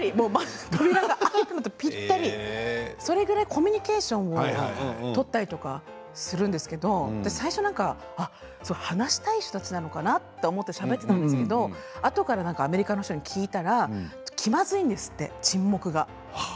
ドアが開くのとぴったりそれぐらいコミュニケーション取ったりするんですけれど最初は話したい人たちなのかなと思って話していたんですけれどあとからアメリカの人に聞いたら気まずいんですって、沈黙が。